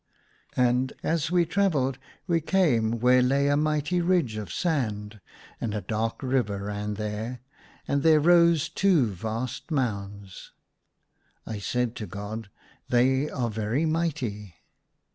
And as we travelled, we came where lay a mighty ridge of sand, and a dark river ran there ; and there rose two vast mounds. I said to God, " They are very mighty."